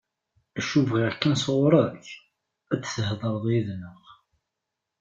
Acu bɣiɣ kan sɣur-k, ad thedreḍ yid-neɣ.